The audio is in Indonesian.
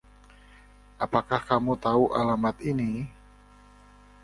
Apakah kamu tahu alamat ini...?